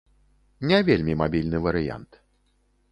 Не вельмі мабільны варыянт.